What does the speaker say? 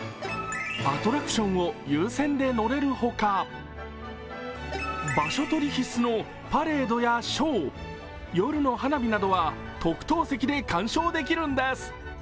アトラクションを優先で乗れるほか、場所取り必須のパレードやショー夜の花火などは特等席で鑑賞できるんです。